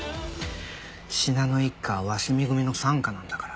信濃一家は鷲見組の傘下なんだから。